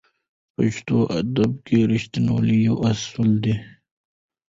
پښتو ادب کې رښتینولي یو اصل دی.